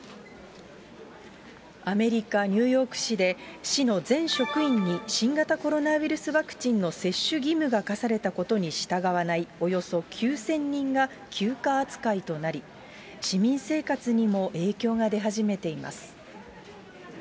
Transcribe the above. アメリカ・ニューヨーク市で、市の全職員に新型コロナウイルスワクチンの接種義務が課されたことに従わないおよそ９０００人が休暇扱いとなり、市民生活にも影響が出始めています。